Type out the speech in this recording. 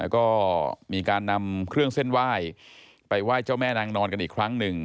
ก็มีการนำเครื่องเส้นไหว้ไปไหว้เจ้าแม่นางนอนกันอีกครั้งหนึ่ง